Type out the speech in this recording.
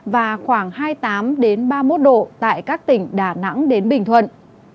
và khoảng hai mươi tám ba mươi một độ tại các tỉnh đà nẵng đến bình thuận